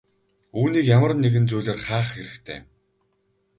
Үүнийг ямар нэгэн зүйлээр хаах хэрэгтэй.